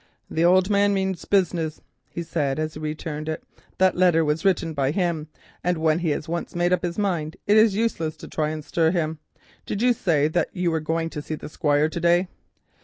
"The old man means business," he said, as he returned it; "that letter was written by him, and when he has once made up his mind it is useless to try and stir him. Did you say that you were going to see the Squire to day?"